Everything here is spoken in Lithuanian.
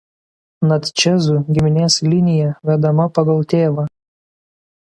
Natčezų giminės linija vedama pagal tėvą.